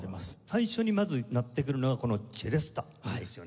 最初にまず鳴ってくるのがこのチェレスタなんですよね。